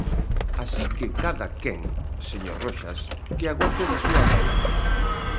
Así que cadaquén, señor Roxas, que aguante da súa vela.